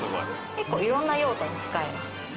結構いろんな用途に使えます。